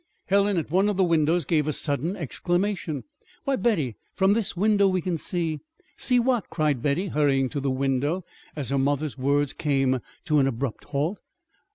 Helen, at one of the windows, gave a sudden exclamation. "Why, Betty, from this window we can see " "See what?" cried Betty, hurrying to the window, as her mother's words came to an abrupt halt.